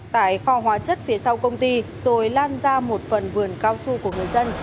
tại kho hóa chất phía sau công ty rồi lan ra một phần vườn cao su của người dân